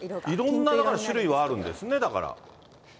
いろんなだから、種類はあるんですね、だから。